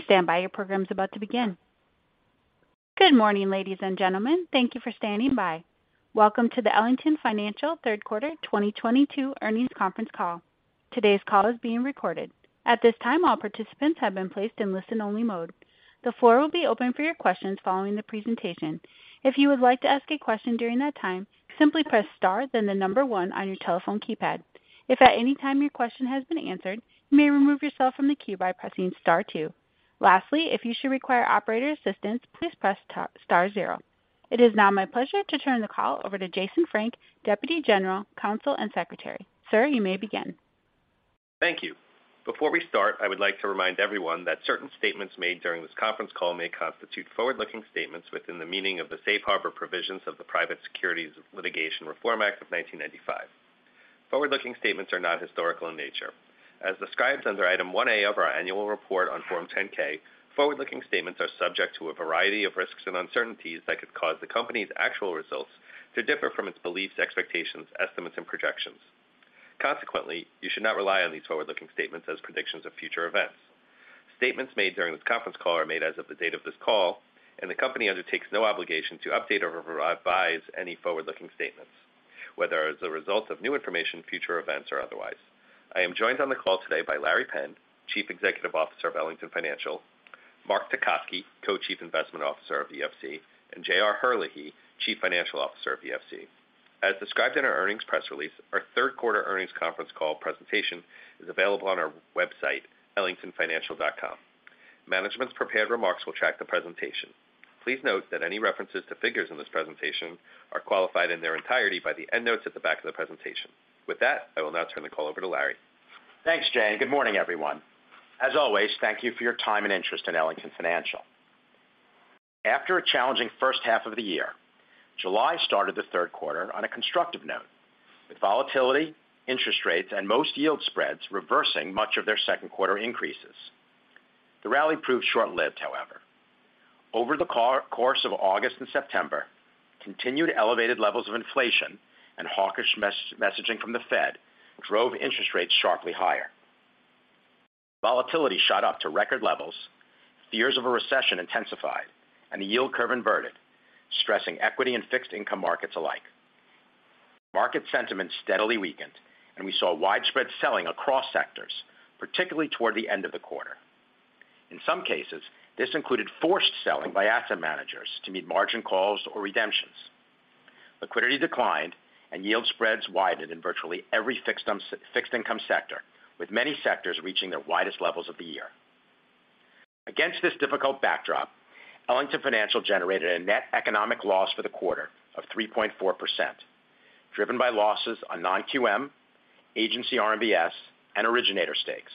Please stand by. Your program is about to begin. Good morning, ladies and gentlemen. Thank you for standing by. Welcome to the Ellington Financial Third Quarter 2022 Earnings Conference Call. Today's call is being recorded. At this time, all participants have been placed in listen-only mode. The floor will be open for your questions following the presentation. If you would like to ask a question during that time, simply press star, then the number one on your telephone keypad. If at any time your question has been answered, you may remove yourself from the queue by pressing star two. Lastly, if you should require operator assistance, please press star zero. It is now my pleasure to turn the call over to Jason Frank, Deputy General Counsel and Secretary. Sir, you may begin. Thank you. Before we start, I would like to remind everyone that certain statements made during this conference call may constitute forward-looking statements within the meaning of the Safe Harbor Provisions of the Private Securities Litigation Reform Act of 1995. Forward-looking statements are not historical in nature. As described under Item 1A of our annual report on Form 10-K, forward-looking statements are subject to a variety of risks and uncertainties that could cause the company's actual results to differ from its beliefs, expectations, estimates, and projections. Consequently, you should not rely on these forward-looking statements as predictions of future events. Statements made during this conference call are made as of the date of this call, and the company undertakes no obligation to update or revise any forward-looking statements, whether as a result of new information, future events, or otherwise. I am joined on the call today by Larry Penn, Chief Executive Officer of Ellington Financial, Mark Tecotzky, Co-Chief Investment Officer of EFC, and JR Herlihy, Chief Financial Officer of EFC. As described in our earnings press release, our third quarter earnings conference call presentation is available on our website, ellingtonfinancial.com. Management's prepared remarks will track the presentation. Please note that any references to figures in this presentation are qualified in their entirety by the endnotes at the back of the presentation. With that, I will now turn the call over to Larry. Thanks, Jay. Good morning, everyone. As always, thank you for your time and interest in Ellington Financial. After a challenging first half of the year, July started the third quarter on a constructive note, with volatility, interest rates, and most yield spreads reversing much of their second-quarter increases. The rally proved short-lived however. Over the course of August and September, continued elevated levels of inflation and hawkish messaging from the Fed drove interest rates sharply higher. Volatility shot up to record levels, fears of a recession intensified, and the yield curve inverted, stressing equity and fixed income markets alike. Market sentiment steadily weakened, and we saw widespread selling across sectors, particularly toward the end of the quarter. In some cases, this included forced selling by asset managers to meet margin calls or redemptions. Liquidity declined, and yield spreads widened in virtually every fixed income sector, with many sectors reaching their widest levels of the year. Against this difficult backdrop, Ellington Financial generated a net economic loss for the quarter of 3.4%, driven by losses on non-QM, agency RMBS, and originator stakes.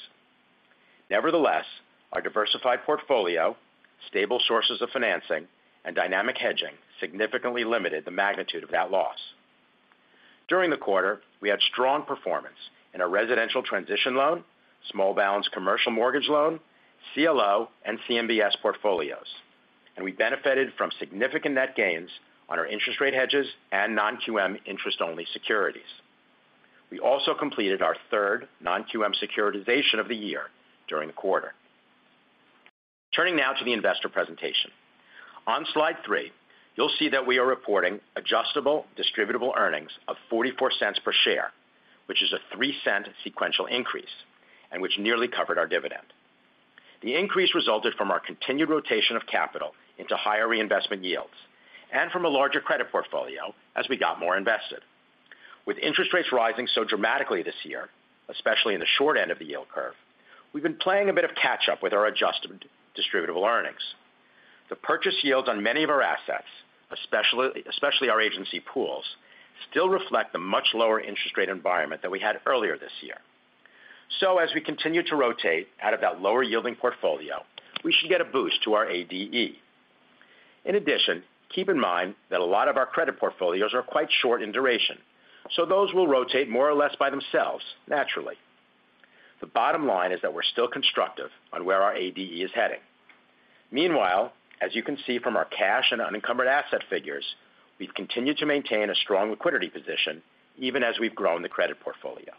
Nevertheless, our diversified portfolio, stable sources of financing, and dynamic hedging significantly limited the magnitude of that loss. During the quarter, we had strong performance in our residential transition loan, small balance commercial mortgage loan, CLO, and CMBS portfolios, and we benefited from significant net gains on our interest rate hedges and non-QM interest-only securities. We also completed our third non-QM securitization of the year during the quarter. Turning now to the investor presentation. On slide three, you'll see that we are reporting adjusted distributable earnings of $0.44 per share, which is a $0.03 sequential increase, and which nearly covered our dividend. The increase resulted from our continued rotation of capital into higher reinvestment yields, and from a larger credit portfolio as we got more invested. With interest rates rising so dramatically this year, especially in the short end of the yield curve, we've been playing a bit of catch up with our adjusted distributable earnings. The purchase yields on many of our assets, especially our agency pools, still reflect the much lower interest rate environment than we had earlier this year. As we continue to rotate out of that lower yielding portfolio, we should get a boost to our ADE. In addition, keep in mind that a lot of our credit portfolios are quite short in duration, so those will rotate more or less by themselves naturally. The bottom line is that we're still constructive on where our ADE is heading. Meanwhile, as you can see from our cash and unencumbered asset figures, we've continued to maintain a strong liquidity position even as we've grown the credit portfolio.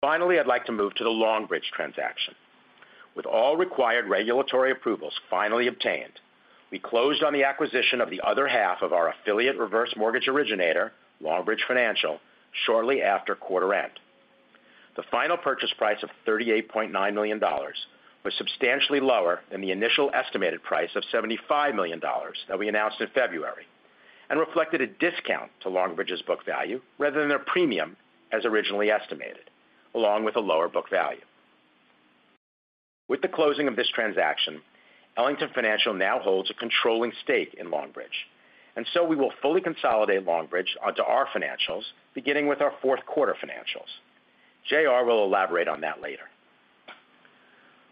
Finally, I'd like to move to the Longbridge transaction. With all required regulatory approvals finally obtained, we closed on the acquisition of the other half of our affiliate reverse mortgage originator, Longbridge Financial, shortly after quarter end. The final purchase price of $38.9 million was substantially lower than the initial estimated price of $75 million that we announced in February and reflected a discount to Longbridge's book value rather than their premium as originally estimated, along with a lower book value. With the closing of this transaction, Ellington Financial now holds a controlling stake in Longbridge, and so we will fully consolidate Longbridge onto our financials, beginning with our fourth quarter financials. JR will elaborate on that later.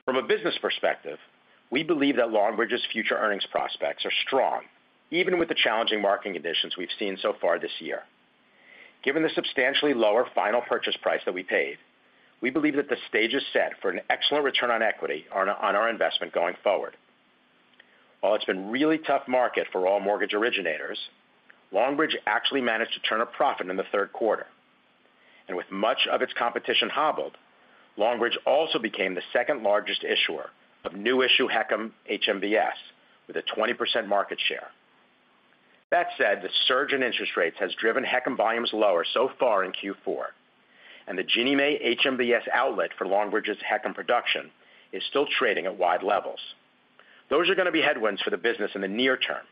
From a business perspective, we believe that Longbridge's future earnings prospects are strong even with the challenging market conditions we've seen so far this year. Given the substantially lower final purchase price that we paid, we believe that the stage is set for an excellent return on equity on our investment going forward. While it's been really tough market for all mortgage originators, Longbridge actually managed to turn a profit in the third quarter. With much of its competition hobbled, Longbridge also became the second largest issuer of new issue HECM HMBS with a 20% market share. That said, the surge in interest rates has driven HECM volumes lower so far in Q4, and the Ginnie Mae HMBS outlet for Longbridge's HECM production is still trading at wide levels. Those are going to be headwinds for the business in the near term.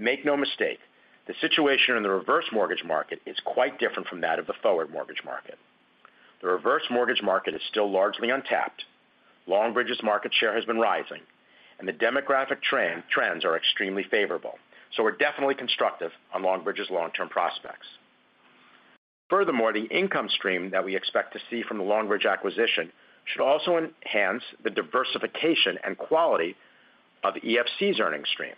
Make no mistake, the situation in the reverse mortgage market is quite different from that of the forward mortgage market. The reverse mortgage market is still largely untapped. Longbridge's market share has been rising, and the demographic trends are extremely favorable. We're definitely constructive on Longbridge's long-term prospects. Furthermore, the income stream that we expect to see from the Longbridge acquisition should also enhance the diversification and quality of EFC's earnings stream.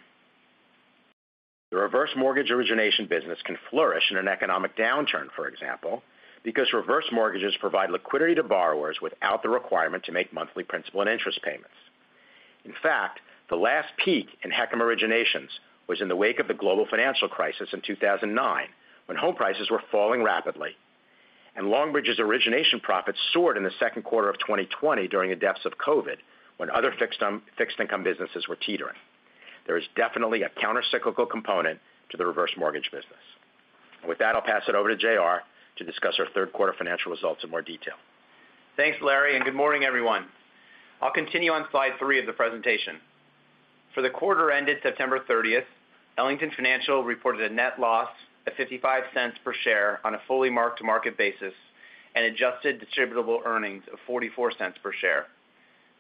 The reverse mortgage origination business can flourish in an economic downturn, for example, because reverse mortgages provide liquidity to borrowers without the requirement to make monthly principal and interest payments. In fact, the last peak in HECM originations was in the wake of the global financial crisis in 2009, when home prices were falling rapidly. Longbridge's origination profits soared in the second quarter of 2020 during the depths of COVID, when other fixed income businesses were teetering. There is definitely a counter-cyclical component to the reverse mortgage business. With that, I'll pass it over to JR to discuss our third quarter financial results in more detail. Thanks, Larry, and good morning, everyone. I'll continue on slide three of the presentation. For the quarter ended September 30th, Ellington Financial reported a net loss of $0.55 per share on a fully mark-to-market basis and adjusted distributable earnings of $0.44 per share.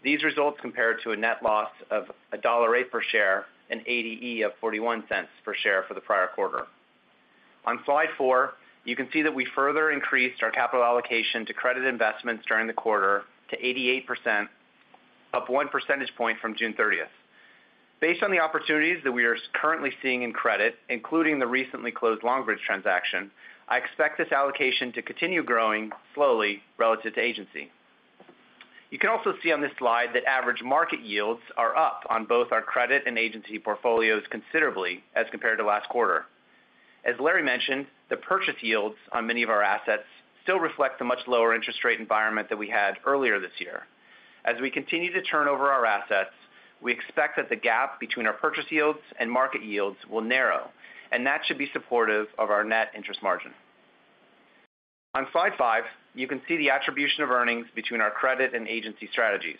These results compared to a net loss of $1.08 per share and ADE of $0.41 per share for the prior quarter. On slide four, you can see that we further increased our capital allocation to credit investments during the quarter to 88%, up one percentage point from June 30th. Based on the opportunities that we are currently seeing in credit, including the recently closed Longbridge transaction, I expect this allocation to continue growing slowly relative to agency. You can also see on this slide that average market yields are up on both our credit and agency portfolios considerably as compared to last quarter. As Larry mentioned, the purchase yields on many of our assets still reflect the much lower interest rate environment that we had earlier this year. As we continue to turn over our assets, we expect that the gap between our purchase yields and market yields will narrow, and that should be supportive of our net interest margin. On slide five, you can see the attribution of earnings between our credit and agency strategies.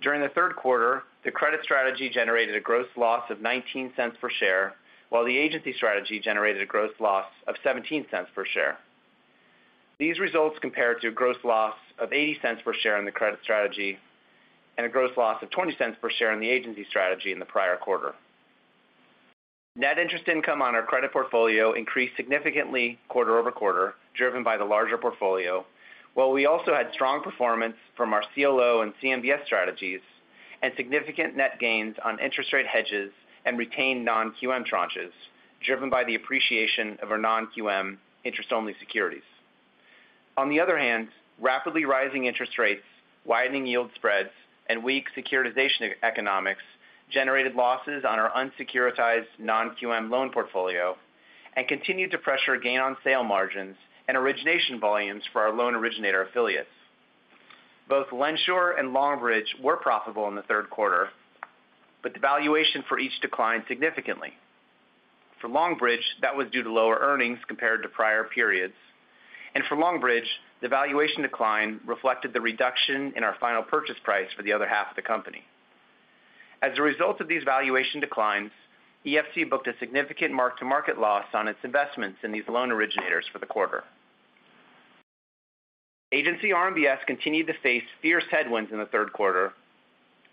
During the third quarter, the credit strategy generated a gross loss of $0.19 per share, while the agency strategy generated a gross loss of $0.17 per share. These results compare to a gross loss of $0.80 per share in the credit strategy and a gross loss of $0.20 per share in the agency strategy in the prior quarter. Net interest income on our credit portfolio increased significantly quarter-over-quarter, driven by the larger portfolio, while we also had strong performance from our CLO and CMBS strategies and significant net gains on interest rate hedges and retained non-QM tranches driven by the appreciation of our non-QM interest-only securities. On the other hand, rapidly rising interest rates, widening yield spreads, and weak securitization economics generated losses on our unsecuritized non-QM loan portfolio and continued to pressure gain on sale margins and origination volumes for our loan originator affiliates. Both LendSure and Longbridge were profitable in the third quarter, but the valuation for each declined significantly. For Longbridge, that was due to lower earnings compared to prior periods. For Longbridge, the valuation decline reflected the reduction in our final purchase price for the other half of the company. As a result of these valuation declines, EFC booked a significant mark-to-market loss on its investments in these loan originators for the quarter. Agency RMBS continued to face fierce headwinds in the third quarter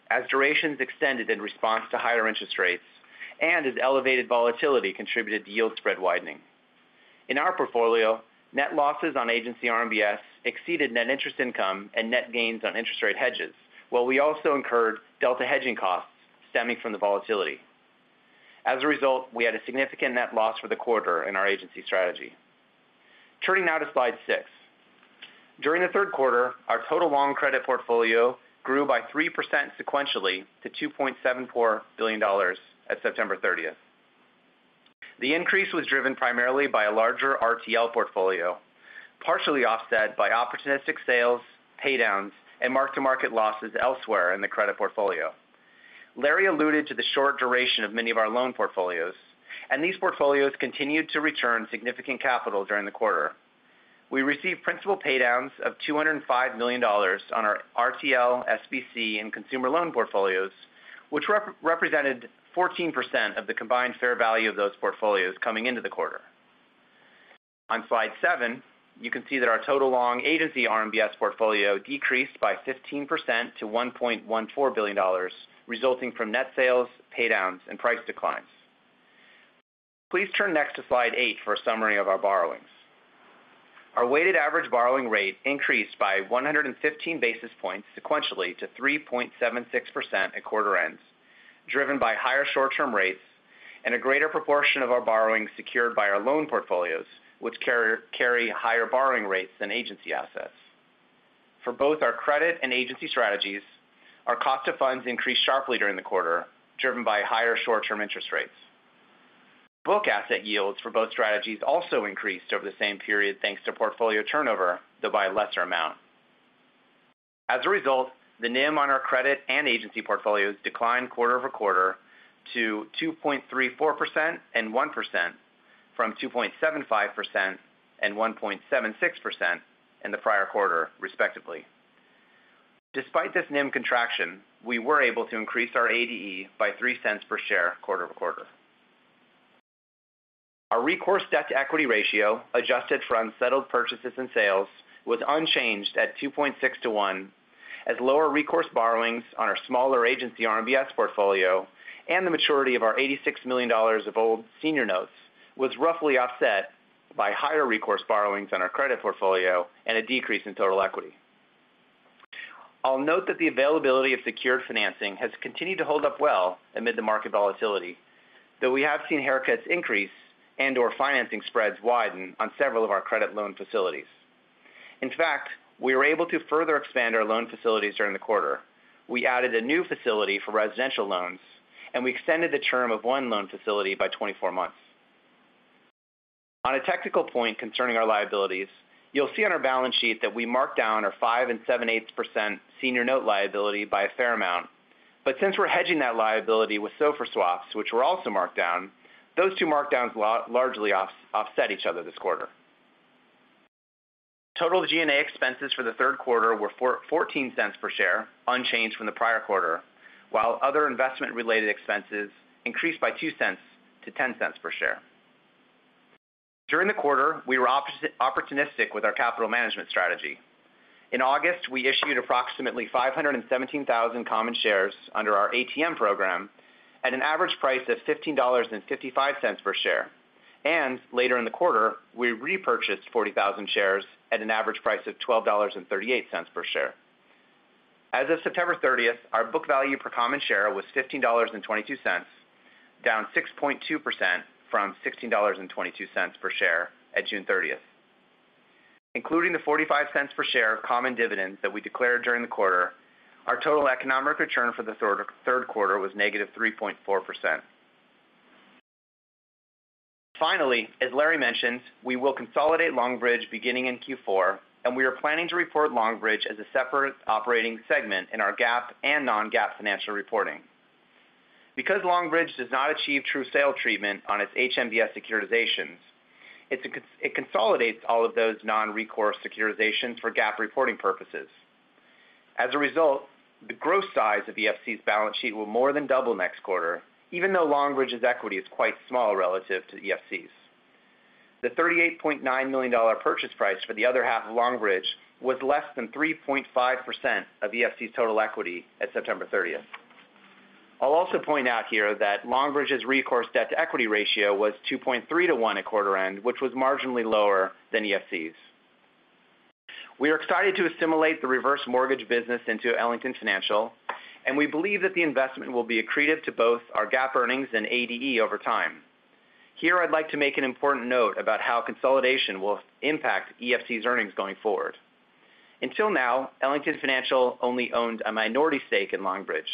as durations extended in response to higher interest rates and as elevated volatility contributed to yield spread widening. In our portfolio, net losses on agency RMBS exceeded net interest income and net gains on interest rate hedges, while we also incurred delta hedging costs stemming from the volatility. As a result, we had a significant net loss for the quarter in our agency strategy. Turning now to slide six. During the third quarter, our total long credit portfolio grew by 3% sequentially to $2.74 billion at September 30th. The increase was driven primarily by a larger RTL portfolio, partially offset by opportunistic sales, pay downs, and mark-to-market losses elsewhere in the credit portfolio. Larry alluded to the short duration of many of our loan portfolios, and these portfolios continued to return significant capital during the quarter. We received principal pay downs of $205 million on our RTL, SBC, and consumer loan portfolios, which represented 14% of the combined fair value of those portfolios coming into the quarter. On slide seven, you can see that our total long agency RMBS portfolio decreased by 15% to $1.14 billion resulting from net sales, pay downs, and price declines. Please turn next to slide eight for a summary of our borrowings. Our weighted average borrowing rate increased by 115 basis points sequentially to 3.76% at quarter ends, driven by higher short-term rates and a greater proportion of our borrowings secured by our loan portfolios, which carry higher borrowing rates than agency assets. For both our credit and agency strategies, our cost of funds increased sharply during the quarter, driven by higher short-term interest rates. Book asset yields for both strategies also increased over the same period, thanks to portfolio turnover, though by a lesser amount. As a result, the NIM on our credit and agency portfolios declined quarter-over-quarter to 2.34% and 1% from 2.75% and 1.76% in the prior quarter, respectively. Despite this NIM contraction, we were able to increase our ADE by $0.03 per share quarter over quarter. Our recourse debt-to-equity ratio, adjusted for unsettled purchases and sales, was unchanged at 2.6 to 1 as lower recourse borrowings on our smaller agency RMBS portfolio and the maturity of our $86 million of old senior notes was roughly offset by higher recourse borrowings on our credit portfolio and a decrease in total equity. I'll note that the availability of secured financing has continued to hold up well amid the market volatility, though we have seen haircuts increase and/or financing spreads widen on several of our credit loan facilities. In fact, we were able to further expand our loan facilities during the quarter. We added a new facility for residential loans, and we extended the term of one loan facility by 24 months. On a technical point concerning our liabilities, you'll see on our balance sheet that we marked down our 5 7/8% senior note liability by a fair amount. Since we're hedging that liability with SOFR swaps, which were also marked down, those two markdowns largely offset each other this quarter. Total G&A expenses for the third quarter were $0.14 per share, unchanged from the prior quarter, while other investment-related expenses increased by $0.02 to $0.10 per share. During the quarter, we were opportunistic with our capital management strategy. In August, we issued approximately 517,000 common shares under our ATM program at an average price of $15.55 per share. Later in the quarter, we repurchased 40,000 shares at an average price of $12.38 per share. As of September 30th, our book value per common share was $15.22, down 6.2% from $16.22 per share at June 30th. Including the $0.45 per share common dividend that we declared during the quarter, our total economic return for the third quarter was -3.4%. Finally, as Larry mentioned, we will consolidate Longbridge beginning in Q4, and we are planning to report Longbridge as a separate operating segment in our GAAP and non-GAAP financial reporting. Because Longbridge does not achieve true sale treatment on its HMBS securitizations, it consolidates all of those non-recourse securitizations for GAAP reporting purposes. As a result, the gross size of EFC's balance sheet will more than double next quarter, even though Longbridge's equity is quite small relative to EFC's. The $38.9 million purchase price for the other half of Longbridge was less than 3.5% of EFC's total equity at September 30th. I'll also point out here that Longbridge's recourse debt-to-equity ratio was 2.3 to 1 at quarter end, which was marginally lower than EFC's. We are excited to assimilate the reverse mortgage business into Ellington Financial, and we believe that the investment will be accretive to both our GAAP earnings and ADE over time. Here I'd like to make an important note about how consolidation will impact EFC's earnings going forward. Until now, Ellington Financial only owned a minority stake in Longbridge.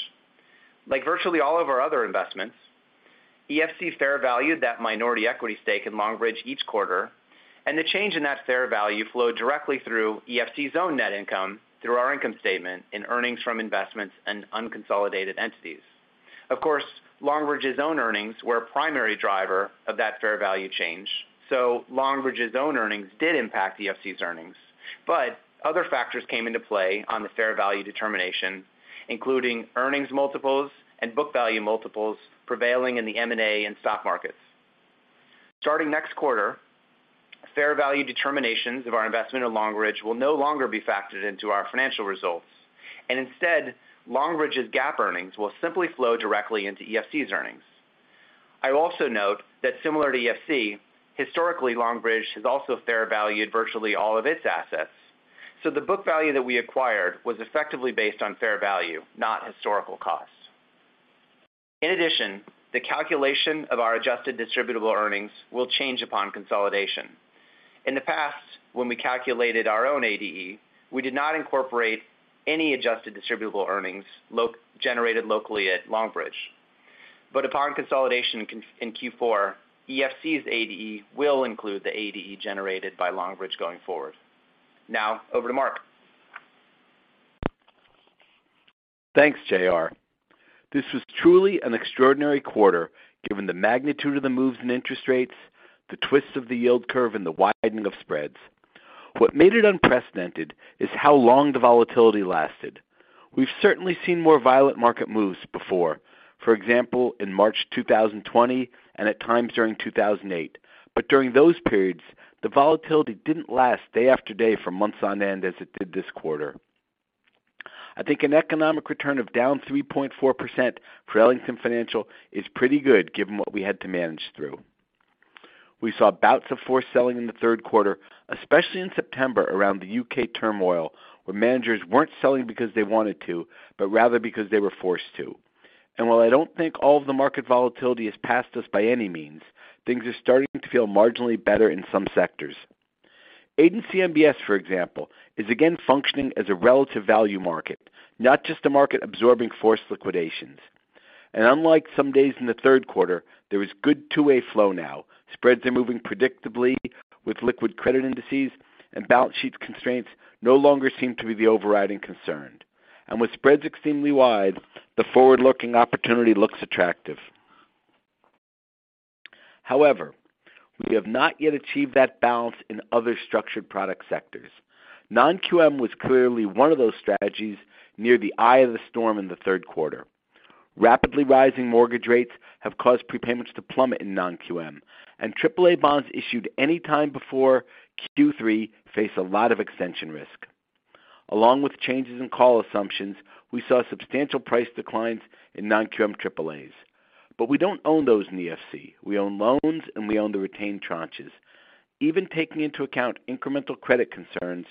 Like virtually all of our other investments, EFC fair valued that minority equity stake in Longbridge each quarter, and the change in that fair value flowed directly through EFC's own net income through our income statement in earnings from investments and unconsolidated entities. Of course, Longbridge's own earnings were a primary driver of that fair value change, so Longbridge's own earnings did impact EFC's earnings. Other factors came into play on the fair value determination, including earnings multiples and book value multiples prevailing in the M&A and stock markets. Starting next quarter, fair value determinations of our investment in Longbridge will no longer be factored into our financial results, and instead, Longbridge's GAAP earnings will simply flow directly into EFC's earnings. I will also note that similar to EFC, historically, Longbridge has also fair valued virtually all of its assets, so the book value that we acquired was effectively based on fair value, not historical costs. In addition, the calculation of our adjusted distributable earnings will change upon consolidation. In the past, when we calculated our own ADE, we did not incorporate any adjusted distributable earnings generated locally at Longbridge. Upon consolidation in Q4, EFC's ADE will include the ADE generated by Longbridge going forward. Now, over to Mark. Thanks, JR. This was truly an extraordinary quarter given the magnitude of the moves in interest rates, the twists of the yield curve, and the widening of spreads. What made it unprecedented is how long the volatility lasted. We've certainly seen more violent market moves before, for example, in March 2020 and at times during 2008. During those periods, the volatility didn't last day after day for months on end as it did this quarter. I think an economic return of down 3.4% for Ellington Financial is pretty good given what we had to manage through. We saw bouts of forced selling in the third quarter, especially in September around the U.K. turmoil, where managers weren't selling because they wanted to, but rather because they were forced to. While I don't think all of the market volatility has passed us by any means, things are starting to feel marginally better in some sectors. Agency MBS, for example, is again functioning as a relative value market, not just a market absorbing forced liquidations. Unlike some days in the third quarter, there is good two-way flow now. Spreads are moving predictably with liquid credit indices, and balance sheet constraints no longer seem to be the overriding concern. With spreads extremely wide, the forward-looking opportunity looks attractive. However, we have not yet achieved that balance in other structured product sectors. Non-QM was clearly one of those strategies near the eye of the storm in the third quarter. Rapidly rising mortgage rates have caused prepayments to plummet in non-QM, and AAA bonds issued any time before Q3 face a lot of extension risk. Along with changes in call assumptions, we saw substantial price declines in non-QM AAAs. We don't own those in the EFC. We own loans, and we own the retained tranches. Even taking into account incremental credit concerns,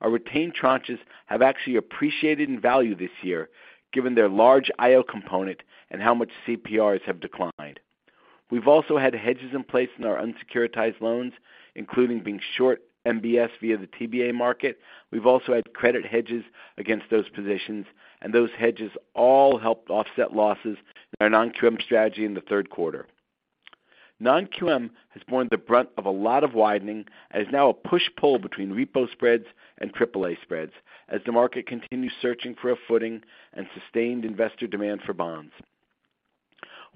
our retained tranches have actually appreciated in value this year, given their large IO component and how much CPRs have declined. We've also had hedges in place in our unsecuritized loans, including being short MBS via the TBA market. We've also had credit hedges against those positions, and those hedges all helped offset losses in our non-QM strategy in the third quarter. Non-QM has borne the brunt of a lot of widening, as now a push-pull between repo spreads and AAA spreads as the market continues searching for a footing and sustained investor demand for bonds.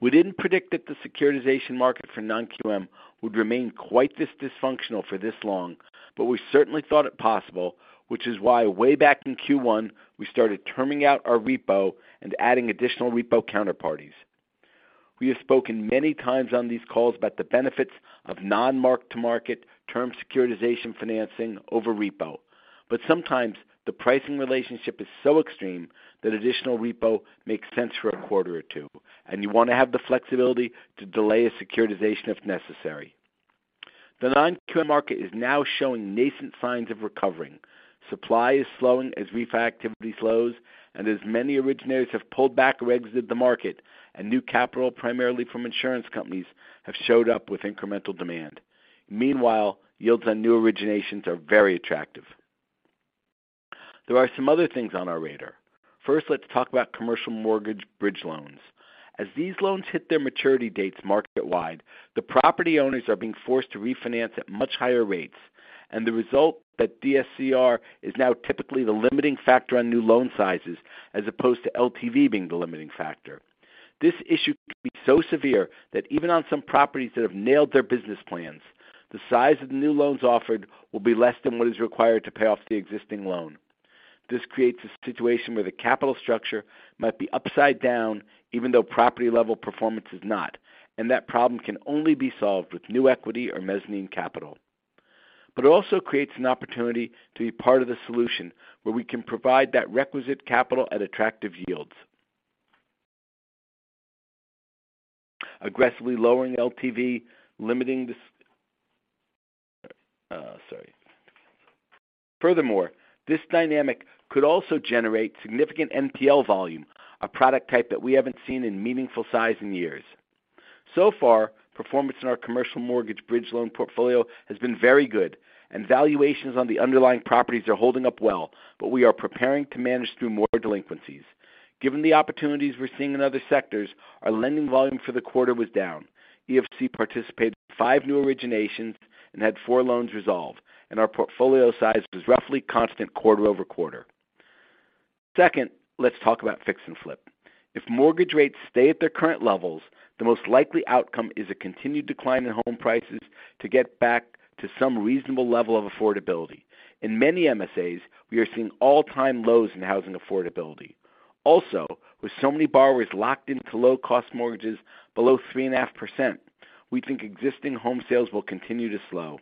We didn't predict that the securitization market for non-QM would remain quite this dysfunctional for this long, but we certainly thought it possible, which is why way back in Q1, we started terming out our repo and adding additional repo counterparties. We have spoken many times on these calls about the benefits of non-mark-to-market term securitization financing over repo. Sometimes the pricing relationship is so extreme that additional repo makes sense for a quarter or two, and you want to have the flexibility to delay a securitization if necessary. The non-QM market is now showing nascent signs of recovery. Supply is slowing as refi activity slows and as many originators have pulled back or exited the market and new capital, primarily from insurance companies, have showed up with incremental demand. Meanwhile, yields on new originations are very attractive. There are some other things on our radar. First, let's talk about commercial mortgage bridge loans. As these loans hit their maturity dates market-wide, the property owners are being forced to refinance at much higher rates, and as a result that DSCR is now typically the limiting factor on new loan sizes as opposed to LTV being the limiting factor. This issue can be so severe that even on some properties that have nailed their business plans, the size of the new loans offered will be less than what is required to pay off the existing loan. This creates a situation where the capital structure might be upside down even though property-level performance is not, and that problem can only be solved with new equity or mezzanine capital. It also creates an opportunity to be part of the solution where we can provide that requisite capital at attractive yields. Furthermore, this dynamic could also generate significant NPL volume, a product type that we haven't seen in meaningful size in years. So far, performance in our commercial mortgage bridge loan portfolio has been very good, and valuations on the underlying properties are holding up well, but we are preparing to manage through more delinquencies. Given the opportunities we're seeing in other sectors, our lending volume for the quarter was down. EFC participated in five new originations and had four loans resolved, and our portfolio size was roughly constant quarter over quarter. Second, let's talk about fix and flip. If mortgage rates stay at their current levels, the most likely outcome is a continued decline in home prices to get back to some reasonable level of affordability. In many MSAs, we are seeing all-time lows in housing affordability. Also, with so many borrowers locked into low-cost mortgages below 3.5%, we think existing home sales will continue to slow.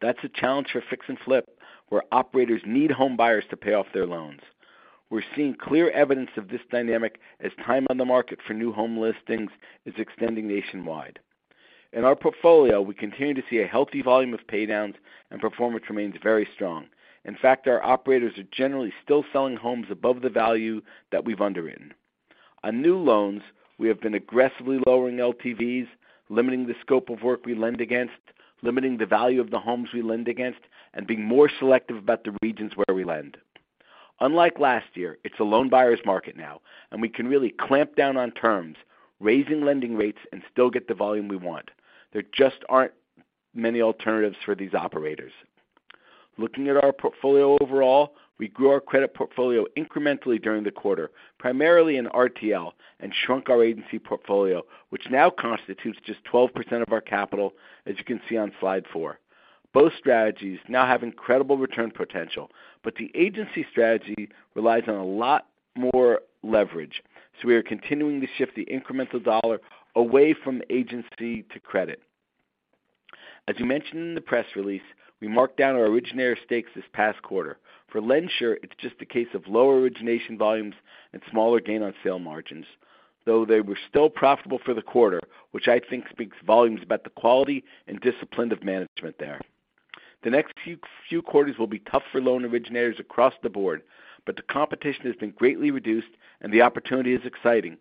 That's a challenge for fix and flip, where operators need home buyers to pay off their loans. We're seeing clear evidence of this dynamic as time on the market for new home listings is extending nationwide. In our portfolio, we continue to see a healthy volume of paydowns and performance remains very strong. In fact, our operators are generally still selling homes above the value that we've underwritten. On new loans, we have been aggressively lowering LTVs, limiting the scope of work we lend against, limiting the value of the homes we lend against, and being more selective about the regions where we lend. Unlike last year, it's a loan buyer's market now, and we can really clamp down on terms, raising lending rates, and still get the volume we want. There just aren't many alternatives for these operators. Looking at our portfolio overall, we grew our credit portfolio incrementally during the quarter, primarily in RTL, and shrunk our agency portfolio, which now constitutes just 12% of our capital, as you can see on slide four. Both strategies now have incredible return potential. But the agency strategy relies on a lot more leverage. We are continuing to shift the incremental dollar away from agency to credit. As we mentioned in the press release, we marked down our originator stakes this past quarter. For LendSure, it's just a case of lower origination volumes and smaller gain-on-sale margins, though they were still profitable for the quarter, which I think speaks volumes about the quality and discipline of management there. The next few quarters will be tough for loan originators across the board, but the competition has been greatly reduced and the opportunity is exciting.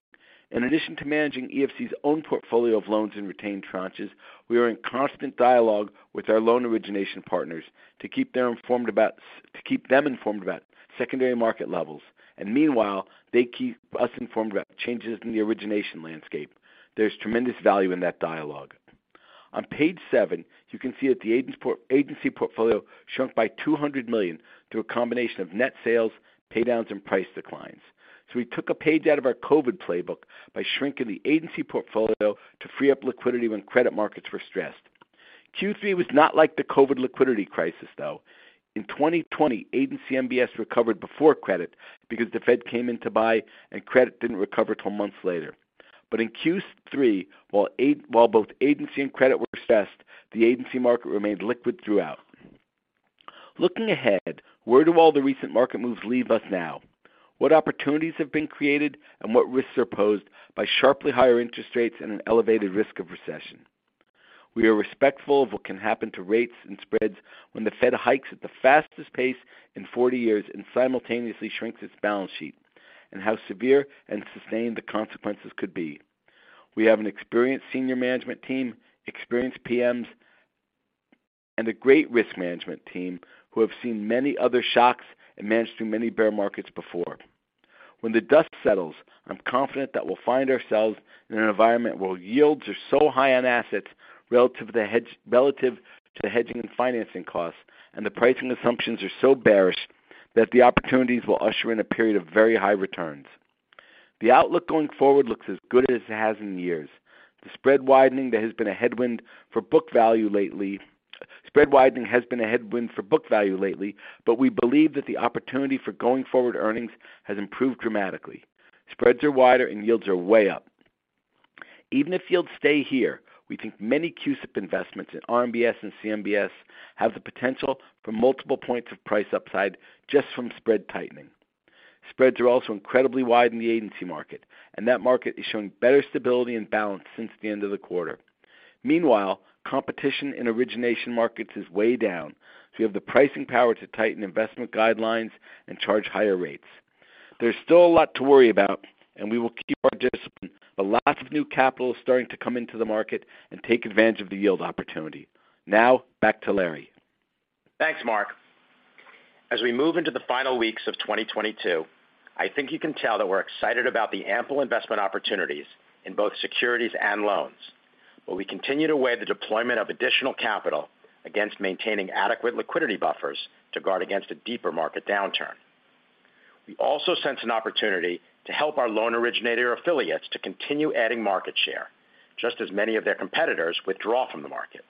In addition to managing EFC's own portfolio of loans and retained tranches, we are in constant dialogue with our loan origination partners to keep them informed about secondary market levels. Meanwhile, they keep us informed about changes in the origination landscape. There's tremendous value in that dialogue. On page seven, you can see that the agency portfolio shrunk by $200 million through a combination of net sales, pay downs, and price declines. We took a page out of our COVID playbook by shrinking the agency portfolio to free up liquidity when credit markets were stressed. Q3 was not like the COVID liquidity crisis, though. In 2020, agency MBS recovered before credit because the Fed came in to buy and credit didn't recover till months later. In Q3, while both agency and credit were stressed, the agency market remained liquid throughout. Looking ahead, where do all the recent market moves leave us now? What opportunities have been created and what risks are posed by sharply higher interest rates and an elevated risk of recession? We are respectful of what can happen to rates and spreads when the Fed hikes at the fastest pace in 40 years and simultaneously shrinks its balance sheet, and how severe and sustained the consequences could be. We have an experienced senior management team, experienced PMs, and a great risk management team who have seen many other shocks and managed through many bear markets before. When the dust settles, I'm confident that we'll find ourselves in an environment where yields are so high on assets relative to the hedging and financing costs, and the pricing assumptions are so bearish that the opportunities will usher in a period of very high returns. The outlook going forward looks as good as it has in years. The spread widening there has been a headwind for book value lately. Spread widening has been a headwind for book value lately, but we believe that the opportunity for going forward earnings has improved dramatically. Spreads are wider and yields are way up. Even if yields stay here, we think many CUSIP investments in RMBS and CMBS have the potential for multiple points of price upside just from spread tightening. Spreads are also incredibly wide in the agency market, and that market is showing better stability and balance since the end of the quarter. Meanwhile, competition in origination markets is way down, so we have the pricing power to tighten investment guidelines and charge higher rates. There's still a lot to worry about, and we will keep our discipline, but lots of new capital is starting to come into the market and take advantage of the yield opportunity. Now back to Larry. Thanks, Mark. As we move into the final weeks of 2022, I think you can tell that we're excited about the ample investment opportunities in both securities and loans, where we continue to weigh the deployment of additional capital against maintaining adequate liquidity buffers to guard against a deeper market downturn. We also sense an opportunity to help our loan originator affiliates to continue adding market share, just as many of their competitors withdraw from the market.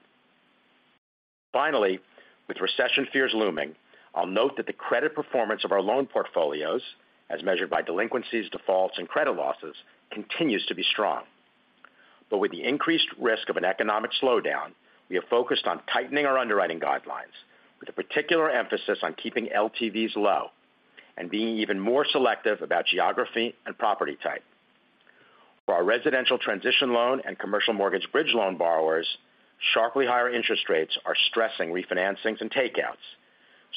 Finally, with recession fears looming, I'll note that the credit performance of our loan portfolios, as measured by delinquencies, defaults, and credit losses, continues to be strong. With the increased risk of an economic slowdown, we are focused on tightening our underwriting guidelines with a particular emphasis on keeping LTVs low and being even more selective about geography and property type. For our residential transition loan and commercial mortgage bridge loan borrowers, sharply higher interest rates are stressing refinancings and takeouts,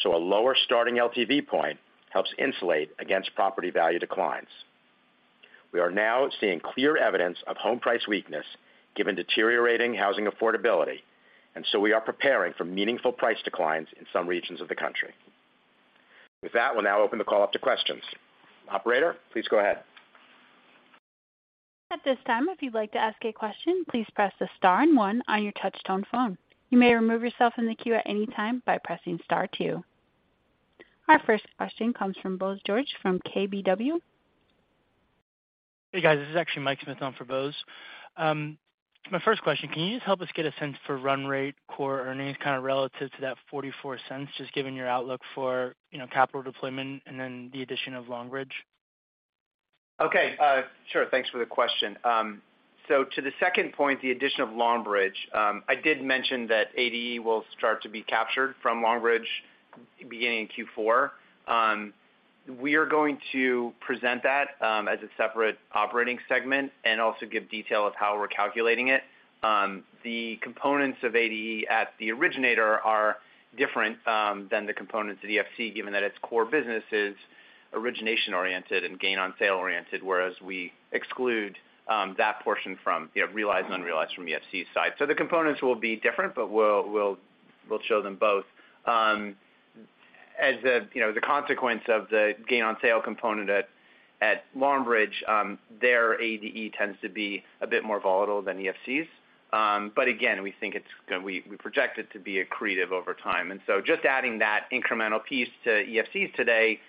so a lower starting LTV point helps insulate against property value declines. We are now seeing clear evidence of home price weakness given deteriorating housing affordability, and so we are preparing for meaningful price declines in some regions of the country. With that, we'll now open the call up to questions. Operator, please go ahead. At this time, if you'd like to ask a question, please press the star and one on your touch tone phone. You may remove yourself from the queue at any time by pressing star two. Our first question comes from Bose George from KBW. Hey, guys. This is actually Mike Smyth on for Bose. My first question, can you just help us get a sense for run rate core earnings kind of relative to that $0.44, just given your outlook for, you know, capital deployment and then the addition of Longbridge? Okay. Sure. Thanks for the question. To the second point, the addition of Longbridge, I did mention that ADE will start to be captured from Longbridge beginning in Q4. We are going to present that as a separate operating segment and also give detail of how we're calculating it. The components of ADE at the originator are different than the components of EFC, given that its core business is origination-oriented and gain-on-sale oriented, whereas we exclude that portion from, you know, realized and unrealized from EFC's side. The components will be different, but we'll show them both. As the, you know, the consequence of the gain-on-sale component at Longbridge, their ADE tends to be a bit more volatile than EFC's. Again, we project it to be accretive over time. Just adding that incremental piece to EFC's today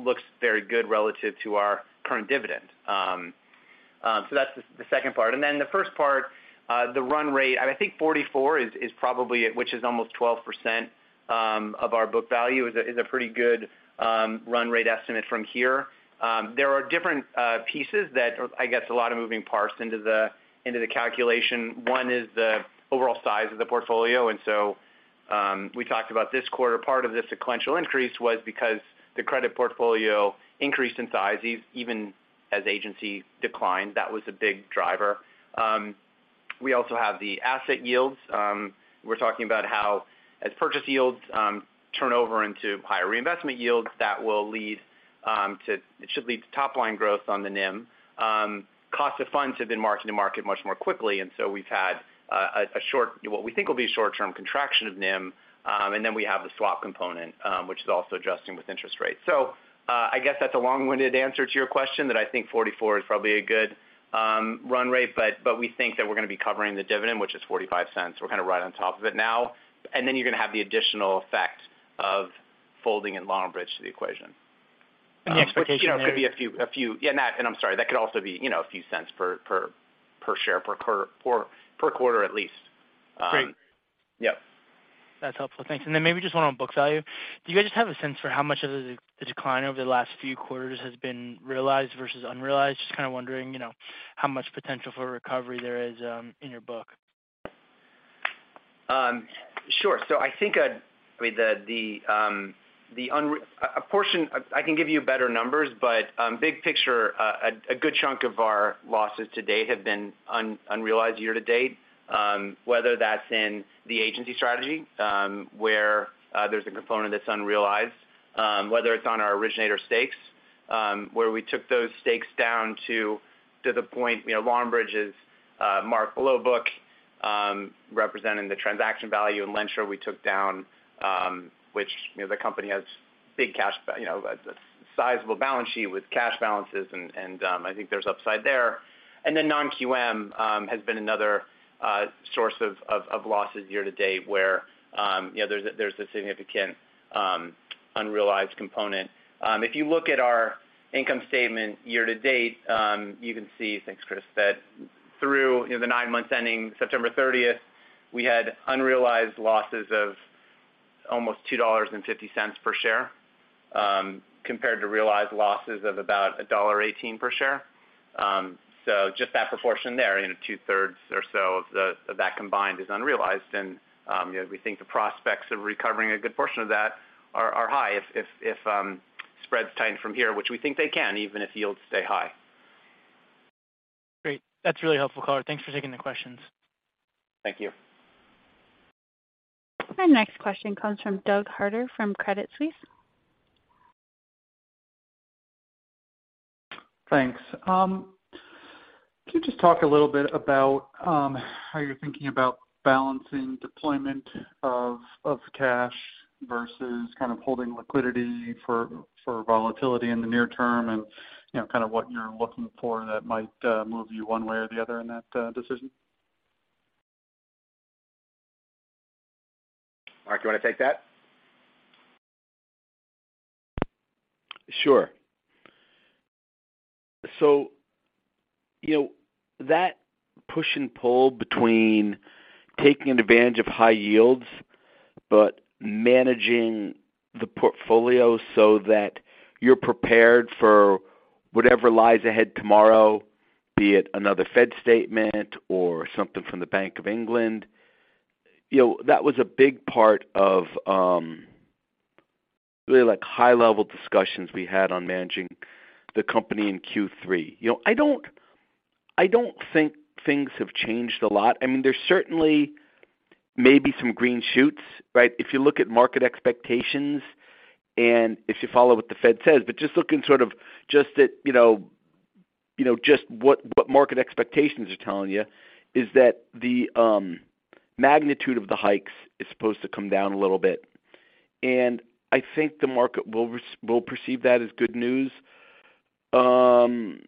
looks very good relative to our current dividend. That's the second part. The first part, the run rate. I think 44 is probably at, which is almost 12% of our book value is a pretty good run rate estimate from here. There are different pieces that or I guess a lot of moving parts into the calculation. One is the overall size of the portfolio, and so we talked about this quarter. Part of the sequential increase was because the credit portfolio increased in size even as agency declined. That was a big driver. We also have the asset yields. We're talking about how as purchase yields turn over into higher reinvestment yields that will lead. It should lead to top line growth on the NIM. Cost of funds have been mark-to-market much more quickly, and so we've had a short-term contraction of NIM. Then we have the swap component, which is also adjusting with interest rates. I guess that's a long-winded answer to your question that I think $0.44 is probably a good run rate, but we think that we're gonna be covering the dividend, which is $0.45. We're kind of right on top of it now. Then you're gonna have the additional effect of folding in Longbridge to the equation. The expectation there. You know, it could be a few. I'm sorry, that could also be, you know, a few cents per share per quarter at least. Great. Yep. That's helpful. Thanks. Maybe just one on book value. Do you guys just have a sense for how much of the decline over the last few quarters has been realized versus unrealized? Just kind of wondering, you know, how much potential for recovery there is in your book. Sure. I think I mean, I can give you better numbers, but big picture, a good chunk of our losses to date have been unrealized year to date. Whether that's in the agency strategy, where there's a component that's unrealized, whether it's on our originator stakes, where we took those stakes down to the point, you know, Longbridge is marked below book, representing the transaction value. In LendSure we took down, which, you know, the company has big cash, you know, a sizable balance sheet with cash balances, and I think there's upside there. Then non-QM has been another source of losses year to date where you know there's a significant unrealized component. If you look at our income statement year to date, you can see, thanks Chris, that through the nine months ending September 30th, we had unrealized losses of almost $2.50 per share, compared to realized losses of about $1.18 per share. So just that proportion there, you know, 2/3 or so of that combined is unrealized. You know, we think the prospects of recovering a good portion of that are high if spreads tighten from here, which we think they can, even if yields stay high. Great. That's really helpful, JR. Thanks for taking the questions. Thank you. Our next question comes from Doug Harter from Credit Suisse. Thanks. Can you just talk a little bit about how you're thinking about balancing deployment of cash versus kind of holding liquidity for volatility in the near term and, you know, kind of what you're looking for that might move you one way or the other in that decision? Mark, do you want to take that? Sure. You know, that push and pull between taking advantage of high yields but managing the portfolio so that you're prepared for whatever lies ahead tomorrow, be it another Fed statement or something from the Bank of England. You know, that was a big part of really like high-level discussions we had on managing the company in Q3. You know, I don't think things have changed a lot. I mean, there's certainly maybe some green shoots, right? If you look at market expectations and if you follow what the Fed says, but just looking sort of at, you know, just what market expectations are telling you is that the magnitude of the hikes is supposed to come down a little bit. I think the market will perceive that as good news. You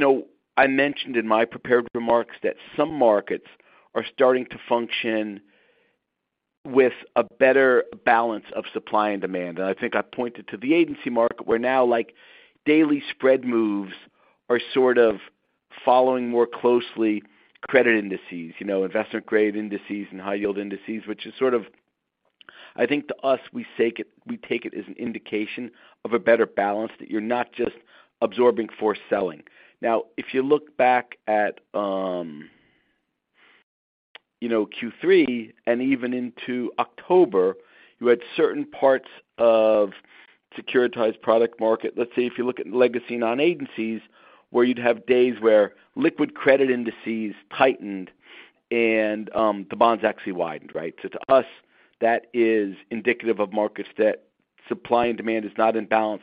know, I mentioned in my prepared remarks that some markets are starting to function with a better balance of supply and demand. I think I pointed to the agency market where now like daily spread moves are sort of following more closely credit indices, you know, investment grade indices and high yield indices, which is sort of, I think to us, we see it, we take it as an indication of a better balance that you're not just absorbing forced selling. Now, if you look back at, you know, Q3 and even into October, you had certain parts of securitized product market. Let's say if you look at legacy non-agencies, where you'd have days where liquid credit indices tightened and, the bonds actually widened, right? To us, that is indicative of markets where supply and demand is not in balance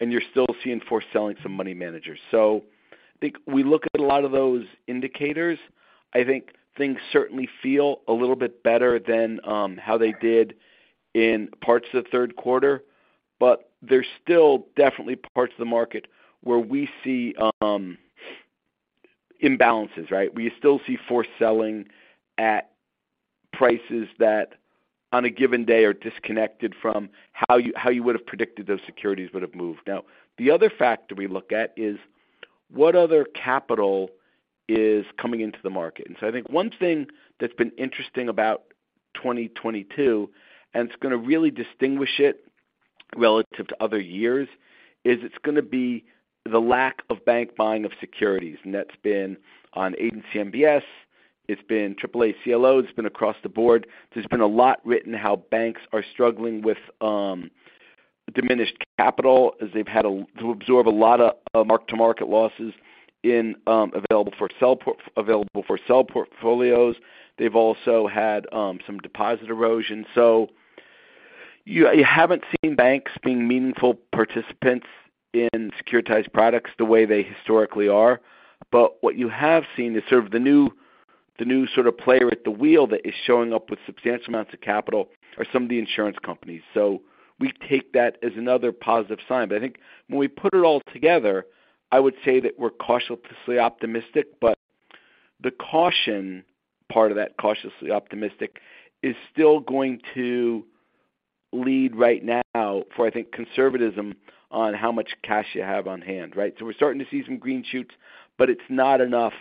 and you're still seeing forced selling from some money managers. I think we look at a lot of those indicators. I think things certainly feel a little bit better than how they did in parts of the third quarter, but there's still definitely parts of the market where we see imbalances, right? We still see forced selling at prices that on a given day are disconnected from how you would have predicted those securities would have moved. Now, the other factor we look at is what other capital is coming into the market. I think one thing that's been interesting about 2022, and it's going to really distinguish it relative to other years, is it's going to be the lack of bank buying of securities. That's been on agency MBS, it's been AAA CLO, it's been across the board. There's been a lot written how banks are struggling with diminished capital as they've had to absorb a lot of mark-to-market losses in available for sale portfolios. They've also had some deposit erosion. You haven't seen banks being meaningful participants in securitized products the way they historically are. What you have seen is sort of the new sort of player at the wheel that is showing up with substantial amounts of capital are some of the insurance companies. We take that as another positive sign. I think when we put it all together, I would say that we're cautiously optimistic, but the caution part of that cautiously optimistic is still going to lead right now for, I think, conservatism on how much cash you have on hand, right? We're starting to see some green shoots, but it's not enough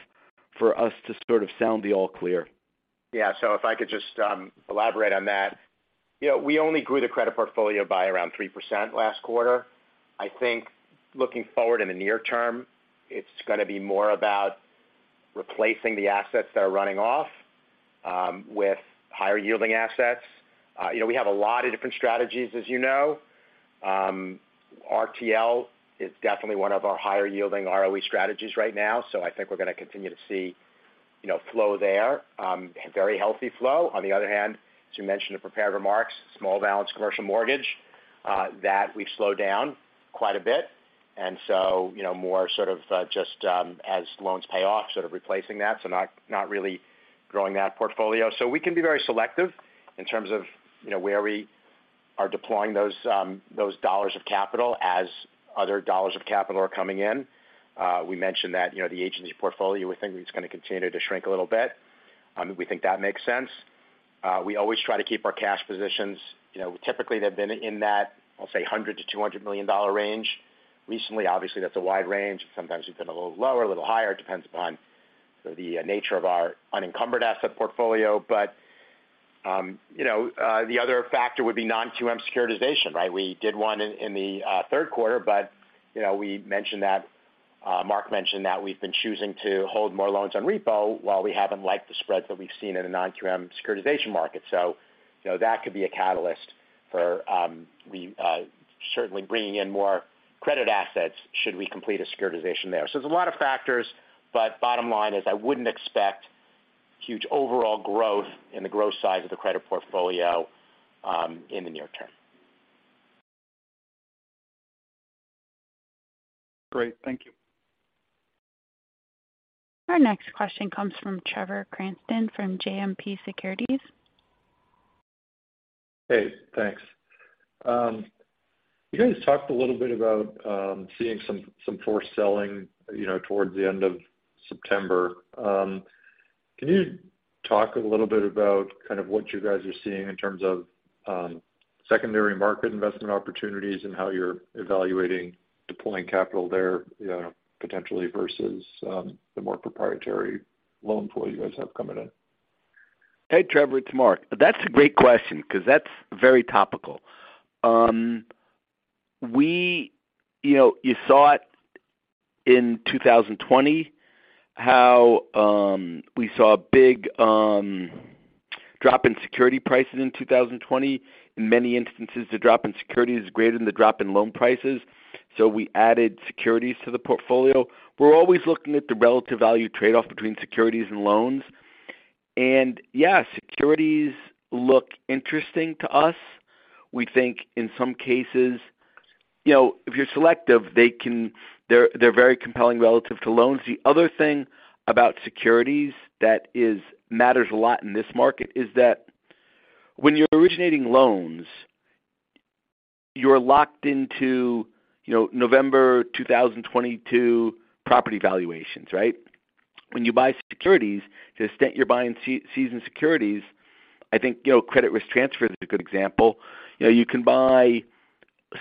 for us to sort of sound the all clear. Yeah. If I could just elaborate on that. You know, we only grew the credit portfolio by around 3% last quarter. I think looking forward in the near term, it's gonna be more about replacing the assets that are running off with higher yielding assets. You know, we have a lot of different strategies as you know. RTL is definitely one of our higher yielding ROE strategies right now. I think we're gonna continue to see, you know, flow there, very healthy flow. On the other hand, as you mentioned in prepared remarks, small balance commercial mortgage that we've slowed down quite a bit. You know, more sort of just as loans pay off, sort of replacing that. Not really growing that portfolio. We can be very selective in terms of, you know, where we are deploying those dollars of capital as other dollars of capital are coming in. We mentioned that, you know, the agency portfolio, we think it's gonna continue to shrink a little bit. We think that makes sense. We always try to keep our cash positions. You know, typically they've been in that, I'll say, $100 million-$200 million range. Recently, obviously, that's a wide range. Sometimes we've been a little lower, a little higher. It depends upon the nature of our unencumbered asset portfolio. The other factor would be non-QM securitization, right? We did one in the third quarter, but you know, we mentioned that Mark mentioned that we've been choosing to hold more loans on repo while we haven't liked the spreads that we've seen in a non-QM securitization market. You know, that could be a catalyst for certainly bringing in more credit assets should we complete a securitization there. There's a lot of factors, but bottom line is I wouldn't expect huge overall growth in the growth size of the credit portfolio in the near term. Great. Thank you. Our next question comes from Trevor Cranston from JMP Securities. Hey, thanks. You guys talked a little bit about seeing some forced selling, you know, towards the end of September. Can you talk a little bit about kind of what you guys are seeing in terms of secondary market investment opportunities and how you're evaluating deploying capital there, you know, potentially versus the more proprietary loan flow you guys have coming in? Hey, Trevor, it's Mark. That's a great question 'cause that's very topical. You know, you saw it in 2020 how we saw a big drop in security prices in 2020. In many instances, the drop in securities is greater than the drop in loan prices. We added securities to the portfolio. We're always looking at the relative value trade-off between securities and loans. Yeah, securities look interesting to us. We think in some cases, you know, if you're selective, they're very compelling relative to loans. The other thing about securities that matters a lot in this market is that when you're originating loans, you're locked into, you know, November 2022 property valuations, right? When you buy securities, to the extent you're buying seasoned securities, I think, you know, credit risk transfer is a good example. You know, you can buy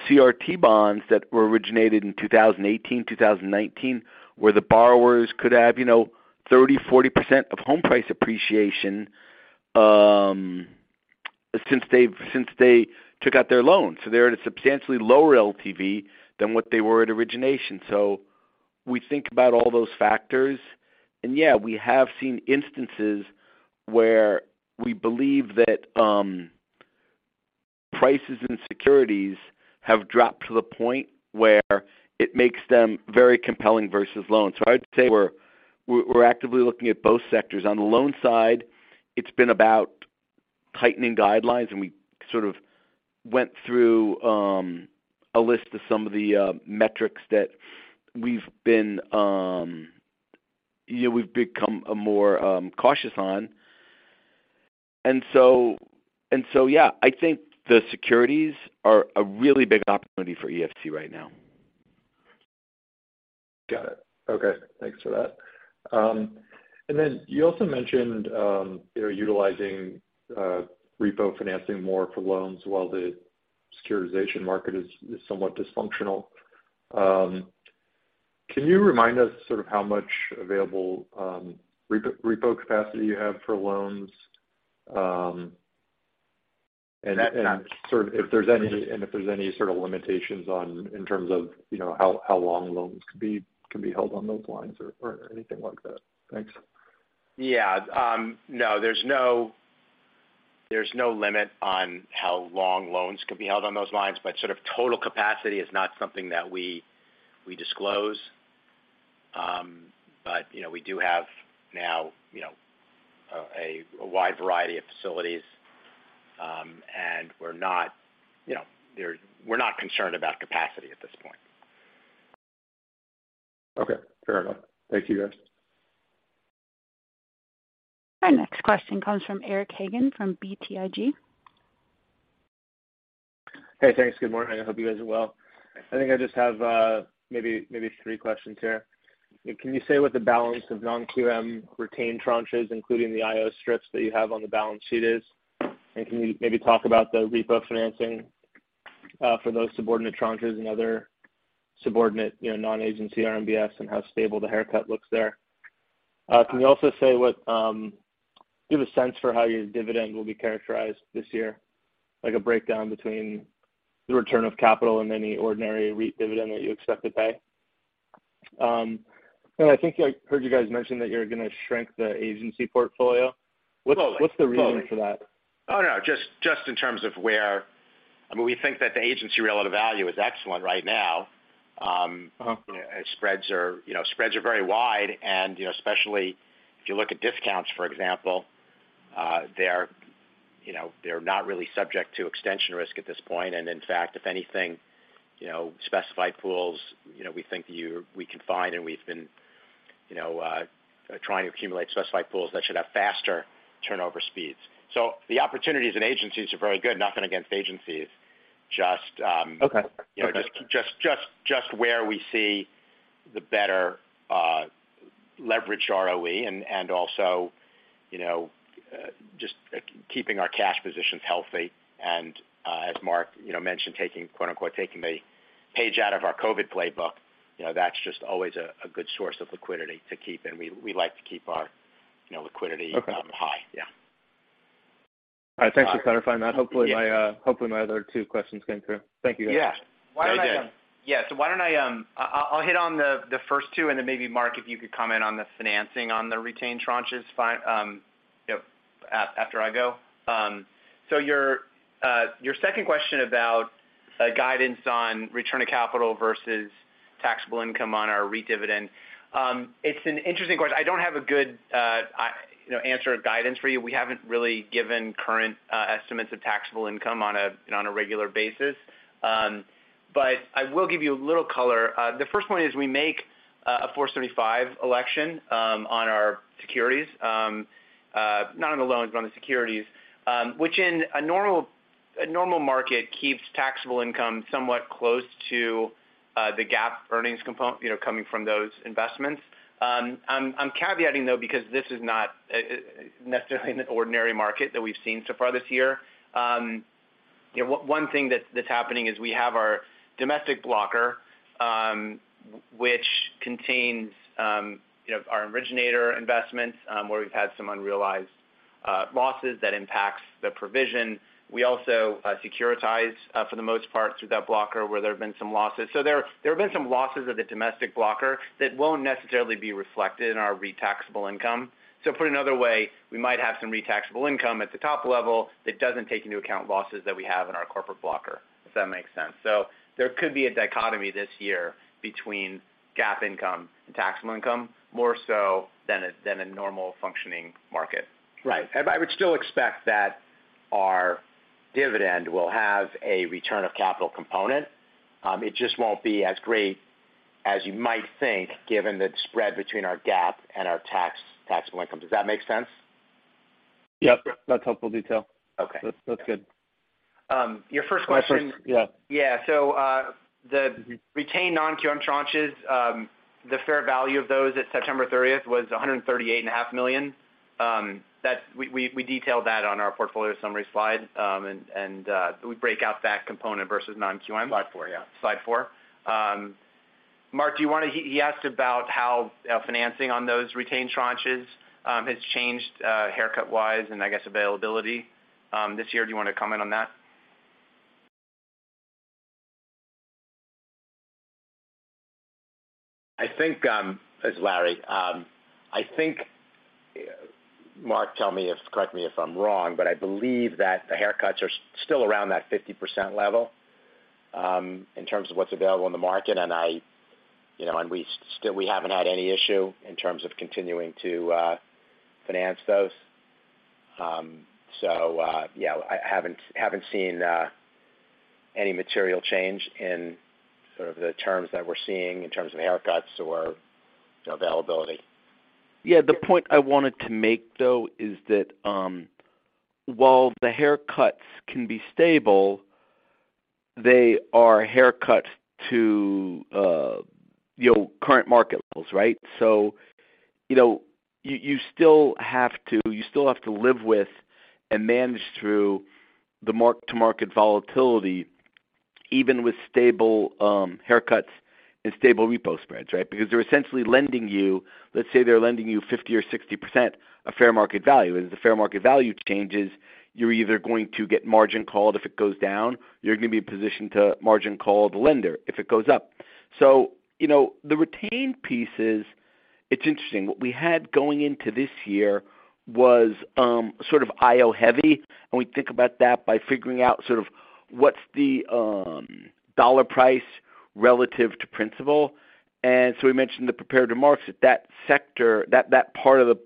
CRT bonds that were originated in 2018, 2019, where the borrowers could have, you know, 30%-40% of home price appreciation, since they took out their loans. They're at a substantially lower LTV than what they were at origination. We think about all those factors. Yeah, we have seen instances where we believe that, prices and securities have dropped to the point where it makes them very compelling versus loans. I'd say we're actively looking at both sectors. On the loan side, it's been about tightening guidelines, and we sort of went through a list of some of the metrics that we've been, you know, we've become more cautious on. Yeah, I think the securities are a really big opportunity for EFC right now. Got it. Okay. Thanks for that. Then you also mentioned, you know, utilizing repo financing more for loans while the securitization market is somewhat dysfunctional. Can you remind us sort of how much available repo capacity you have for loans and sort of if there's any sort of limitations or in terms of, you know, how long loans could be, can be held on those lines or anything like that. Thanks. Yeah. No, there's no limit on how long loans can be held on those lines, but sort of total capacity is not something that we disclose. You know, we do have now a wide variety of facilities. We're not concerned about capacity at this point. Okay, fair enough. Thank you, guys. Our next question comes from Eric Hagen from BTIG. Hey, thanks. Good morning. I hope you guys are well. I think I just have maybe three questions here. Can you say what the balance of non-QM retained tranches, including the IO strips that you have on the balance sheet is? Can you maybe talk about the repo financing for those subordinate tranches and other subordinate, you know, non-agency RMBS, and how stable the haircut looks there? Can you also give a sense for how your dividend will be characterized this year, like a breakdown between the return of capital and any ordinary REIT dividend that you expect to pay? I think I heard you guys mention that you're gonna shrink the agency portfolio. Slowly. What's the reason for that? Oh, no. Just in terms of, I mean, we think that the agency relative value is excellent right now. Uh-huh. Spreads are, you know, very wide and, you know, especially if you look at discounts, for example, they're, you know, not really subject to extension risk at this point. In fact, if anything, you know, specified pools, you know, we think we can find and we've been, you know, trying to accumulate specified pools that should have faster turnover speeds. The opportunities in agencies are very good. Nothing against agencies, just. Okay. You know, just where we see the better leverage ROE and also, you know, just keeping our cash positions healthy. As Mark, you know, mentioned, taking, quote-unquote, the page out of our COVID playbook, you know, that's just always a good source of liquidity to keep. We like to keep our, you know, liquidity. Okay. Hi. Yeah. All right. Thanks for clarifying that. Hopefully, my other two questions came through. Thank you, guys. Yeah. Why don't I. They did. Yeah. Why don't I'll hit on the first two, and then maybe Mark, if you could comment on the financing on the retained tranches you know, after I go. Your second question about guidance on return of capital versus taxable income on our REIT dividend, it's an interesting question. I don't have a good you know, answer or guidance for you. We haven't really given current estimates of taxable income on a regular basis. I will give you a little color. The first point is we make a 475 election on our securities, not on the loans, but on the securities, which in a normal market keeps taxable income somewhat close to the GAAP earnings component, you know, coming from those investments. I'm caveating, though, because this is not necessarily an ordinary market that we've seen so far this year. You know, one thing that's happening is we have our domestic blocker, which contains, you know, our originator investments, where we've had some unrealized losses that impacts the provision. We also securitize for the most part through that blocker where there have been some losses. There have been some losses of the domestic blocker that won't necessarily be reflected in our REIT taxable income. Put another way, we might have some REIT taxable income at the top level that doesn't take into account losses that we have in our corporate blocker, if that makes sense. There could be a dichotomy this year between GAAP income and taxable income, more so than a normal functioning market. Right. I would still expect that our dividend will have a return of capital component. It just won't be as great as you might think, given the spread between our GAAP and our taxable income. Does that make sense? Yep, that's helpful detail. Okay. That's good. Your first question. My first, yeah. The retained non-QM tranches, the fair value of those at September 30th was $138.5 million. We detailed that on our portfolio summary slide. We break out that component versus non-QM. Slide four, yeah. Slide four. Mark, he asked about how financing on those retained tranches has changed, haircut-wise and, I guess, availability this year. Do you wanna comment on that? I think, Mark, correct me if I'm wrong, but I believe that the haircuts are still around that 50% level, in terms of what's available in the market. You know, we still haven't had any issue in terms of continuing to finance those. Yeah, I haven't seen any material change in sort of the terms that we're seeing in terms of haircuts or availability. Yeah. The point I wanted to make, though, is that while the haircuts can be stable, they are haircuts to you know, current market levels, right? You know, you still have to live with and manage through the mark-to-market volatility, even with stable haircuts and stable repo spreads, right? Because they're essentially lending you, let's say they're lending you 50% or 60% of fair market value. As the fair market value changes, you're either going to get margin called if it goes down, you're gonna be positioned to margin call the lender if it goes up. You know, the retained pieces. It's interesting. What we had going into this year was sort of IO heavy, and we think about that by figuring out what's the dollar price relative to principal. We mentioned the prepared remarks that sector that part of the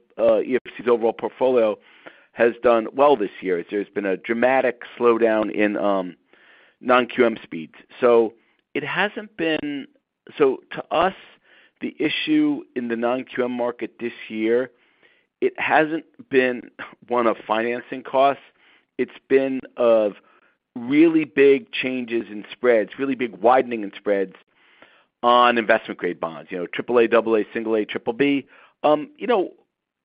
EFC's overall portfolio has done well this year. There's been a dramatic slowdown in non-QM speeds. To us, the issue in the non-QM market this year, it hasn't been one of financing costs. It's been of really big changes in spreads, really big widening in spreads on investment-grade bonds, you know, AAA, AA, A, BBB.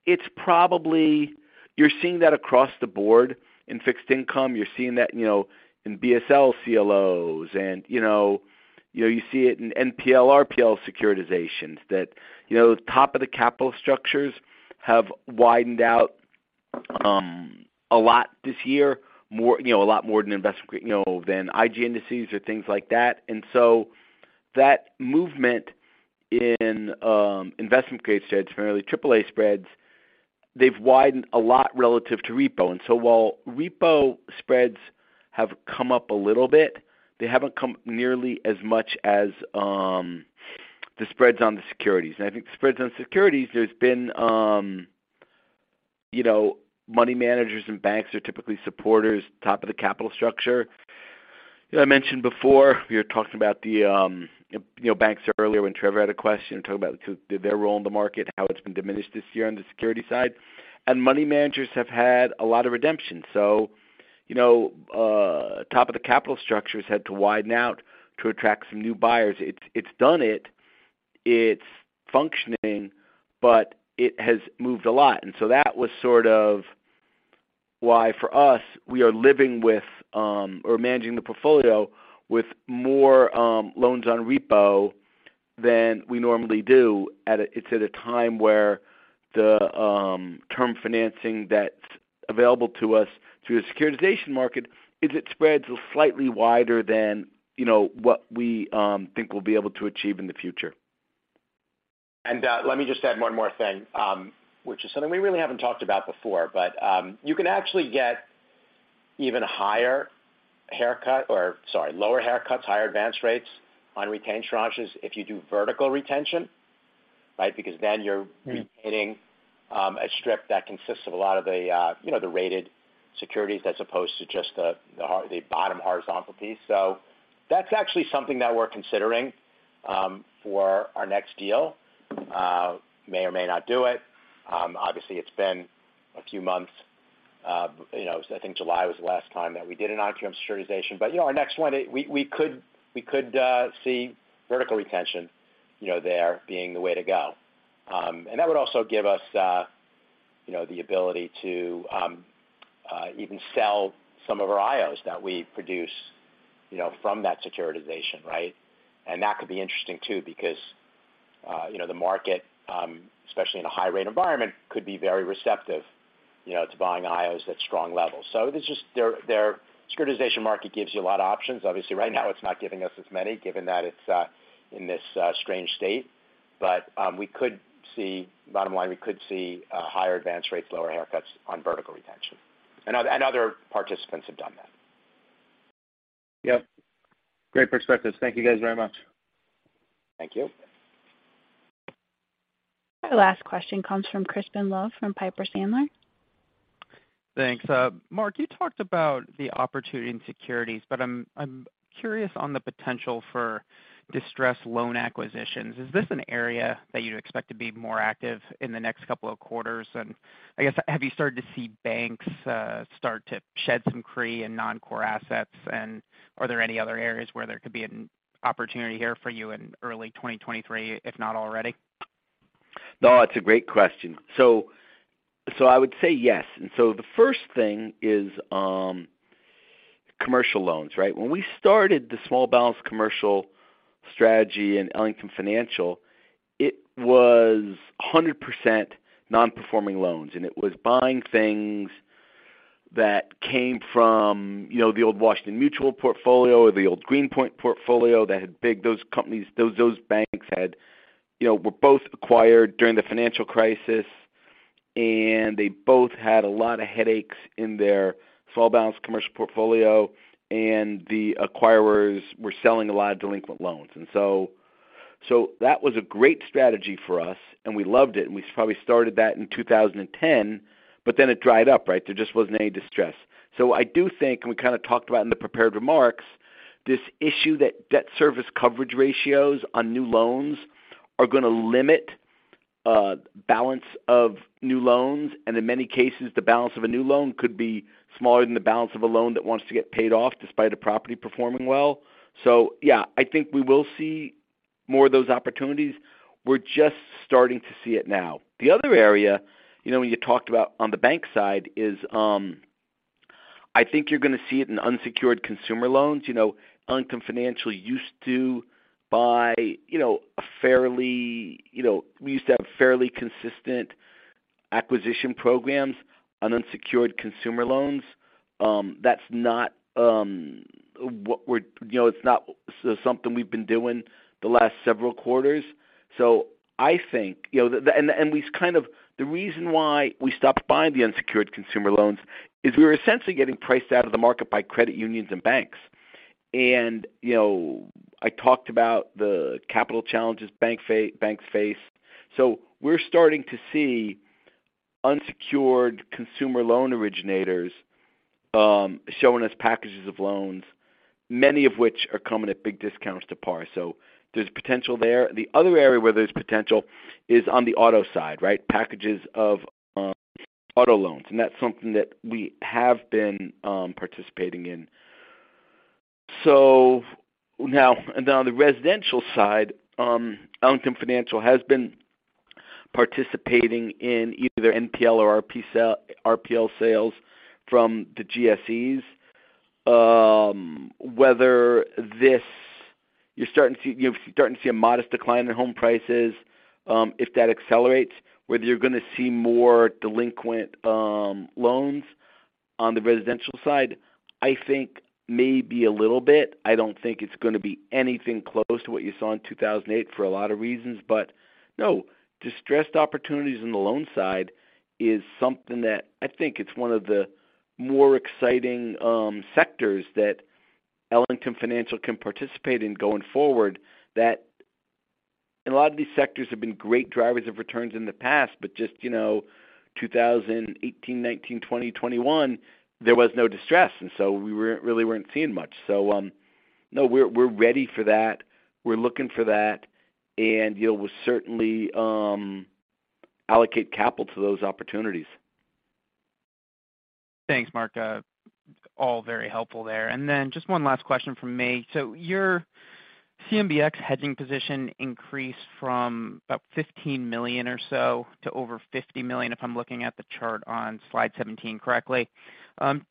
It's probably you're seeing that across the board in fixed income. You're seeing that, you know, in BSL CLOs, and, you know, you see it in NPL, RPL securitizations that, you know, top of the capital structures have widened out, a lot this year, more, you know, a lot more than investment grade, you know, than IG indices or things like that. That movement in investment-grade spreads, primarily triple A spreads, they've widened a lot relative to repo. While repo spreads have come up a little bit, they haven't come nearly as much as the spreads on the securities. I think the spreads on securities. There's been you know, money managers and banks are typically supporters, top of the capital structure. You know, I mentioned before, we were talking about the you know, banks earlier when Trevor had a question, talking about their role in the market, how it's been diminished this year on the security side. Money managers have had a lot of redemption. You know, top of the capital structures had to widen out to attract some new buyers. It's done it's functioning, but it has moved a lot. That was sort of why for us, we are living with or managing the portfolio with more loans on repo than we normally do. It's at a time where the term financing that's available to us through the securitization market is. It spreads slightly wider than, you know, what we think we'll be able to achieve in the future. Let me just add one more thing, which is something we really haven't talked about before. You can actually get even higher haircut or, sorry, lower haircuts, higher advance rates on retained tranches if you do vertical retention, right? Because then you're Mm-hmm. Retaining a strip that consists of a lot of the, you know, the rated securities as opposed to just the bottom horizontal piece. That's actually something that we're considering for our next deal. You know, I think July was the last time that we did a non-QM securitization. You know, our next one, we could see vertical retention, you know, there being the way to go. That would also give us, you know, the ability to even sell some of our IOs that we produce, you know, from that securitization, right? That could be interesting too, because, you know, the market, especially in a high rate environment, could be very receptive, you know, to buying IOs at strong levels. It's just their securitization market gives you a lot of options. Obviously, right now it's not giving us as many, given that it's in this strange state. We could see bottom line, we could see higher advance rates, lower haircuts on vertical retention. Other participants have done that. Yep. Great perspectives. Thank you guys very much. Thank you. Our last question comes from Crispin Love from Piper Sandler. Thanks. Mark, you talked about the opportunity in securities, but I'm curious on the potential for distressed loan acquisitions. Is this an area that you'd expect to be more active in the next couple of quarters? I guess, have you started to see banks start to shed some CRE and non-core assets? Are there any other areas where there could be an opportunity here for you in early 2023, if not already? No, it's a great question. I would say yes. The first thing is, commercial loans, right? When we started the small balance commercial strategy in Ellington Financial, it was 100% non-performing loans, and it was buying things that came from, you know, the old Washington Mutual portfolio or the old GreenPoint portfolio. Those companies, those banks had, you know, were both acquired during the financial crisis, and they both had a lot of headaches in their small balance commercial portfolio, and the acquirers were selling a lot of delinquent loans. That was a great strategy for us, and we loved it. We probably started that in 2010, but then it dried up, right? There just wasn't any distress. I do think, and we kinda talked about in the prepared remarks, this issue that debt service coverage ratios on new loans are gonna limit balance of new loans, and in many cases, the balance of a new loan could be smaller than the balance of a loan that wants to get paid off despite the property performing well. Yeah, I think we will see more of those opportunities. We're just starting to see it now. The other area, you know, when you talked about on the bank side is, I think you're gonna see it in unsecured consumer loans. You know, Ellington Financial used to buy, you know, we used to have a fairly consistent acquisition programs on unsecured consumer loans. That's not something we've been doing the last several quarters. You know, it's not something we've been doing the last several quarters. The reason why we stopped buying the unsecured consumer loans is we were essentially getting priced out of the market by credit unions and banks. You know, I talked about the capital challenges banks face. We're starting to see unsecured consumer loan originators showing us packages of loans, many of which are coming at big discounts to par. There's potential there. The other area where there's potential is on the auto side, right? Packages of auto loans, and that's something that we have been participating in. On the residential side, Ellington Financial has been participating in either NPL or RPL sales from the GSEs. You're starting to see a modest decline in home prices. If that accelerates, whether you're gonna see more delinquent loans on the residential side, I think maybe a little bit. I don't think it's gonna be anything close to what you saw in 2008 for a lot of reasons. No, distressed opportunities in the loan side is something that I think it's one of the more exciting sectors that Ellington Financial can participate in going forward, that a lot of these sectors have been great drivers of returns in the past. Just, you know, 2018, 2019, 2020, 2021, there was no distress, and so we weren't really seeing much. No, we're ready for that. We're looking for that. You know, we'll certainly allocate capital to those opportunities. Thanks, Mark. All very helpful there. Just one last question from me. Your CMBX hedging position increased from about $15 million or so to over $50 million, if I'm looking at the chart on slide 17 correctly.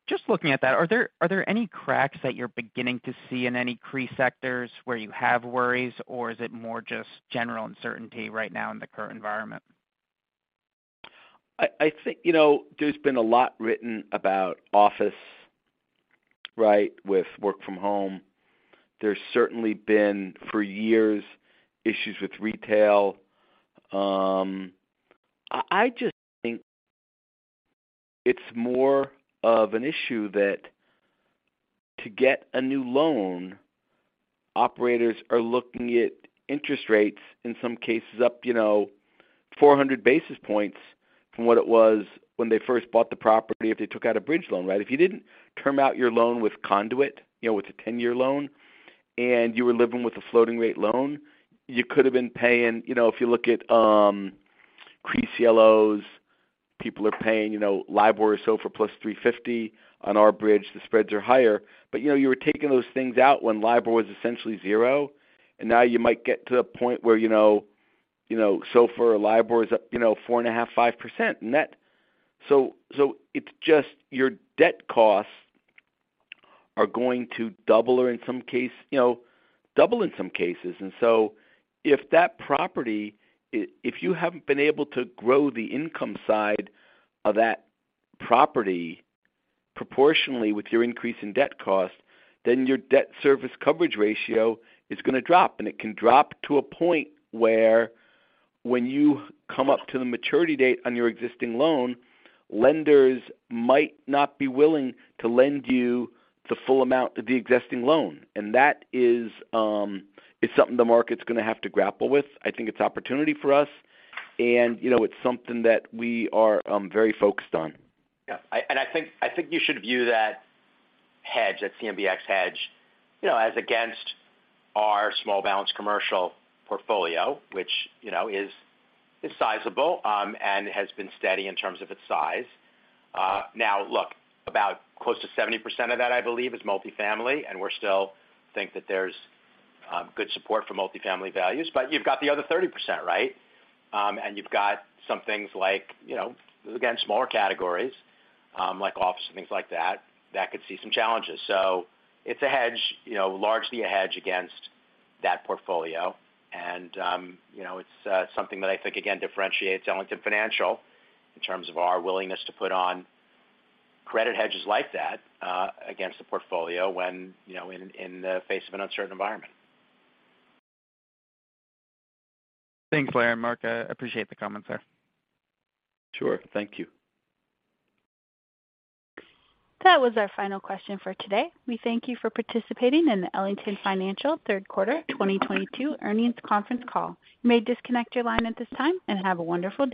Just looking at that, are there any cracks that you're beginning to see in any CRE sectors where you have worries, or is it more just general uncertainty right now in the current environment? I think, you know, there's been a lot written about office, right, with work from home. There's certainly been, for years, issues with retail. I just think it's more of an issue that to get a new loan, operators are looking at interest rates, in some cases up, you know, 400 basis points from what it was when they first bought the property if they took out a bridge loan, right? If you didn't term out your loan with Conduit, you know, with a 10-year loan, and you were living with a floating rate loan, you could have been paying. You know, if you look at CRE CLOs, people are paying, you know, LIBOR/SOFR plus 350. On our bridge, the spreads are higher. You know, you were taking those things out when LIBOR was essentially zero, and now you might get to the point where, you know, you know, SOFR or LIBOR is up, you know, 4.5%-5% net. It's just your debt costs are going to double or in some case, you know, double in some cases. If that property, if you haven't been able to grow the income side of that property proportionally with your increase in debt cost, then your debt service coverage ratio is gonna drop. It can drop to a point where when you come up to the maturity date on your existing loan, lenders might not be willing to lend you the full amount of the existing loan. That is something the market's gonna have to grapple with. I think it's opportunity for us. You know, it's something that we are very focused on. I think you should view that hedge, that CMBX hedge, you know, as against our small balance commercial portfolio, which, you know, is sizable and has been steady in terms of its size. Now look, about close to 70% of that, I believe, is multi-family, and we still think that there's good support for multi-family values, but you've got the other 30%, right? You've got some things like, you know, again, smaller categories, like office and things like that could see some challenges. It's a hedge, you know, largely a hedge against that portfolio. You know, it's something that I think, again, differentiates Ellington Financial in terms of our willingness to put on credit hedges like that against the portfolio when, you know, in the face of an uncertain environment. Thanks, Larry and Mark. I appreciate the comments there. Sure. Thank you. That was our final question for today. We thank you for participating in the Ellington Financial Third Quarter 2022 Earnings Conference Call. You may disconnect your line at this time, and have a wonderful day.